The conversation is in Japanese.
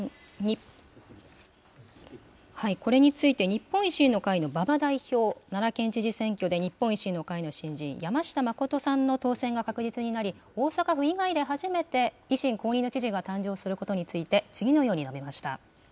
これについて、日本維新の会の馬場代表、奈良県知事選挙で日本維新の会の新人、山下真さんの当選が確実になり、大阪府以外で初めて維新公認の知事が誕生することについて、次のように述べました。